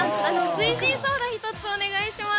翠ジンソーダ１つお願いします。